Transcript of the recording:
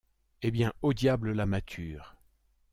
Eh bien, au diable la mâture !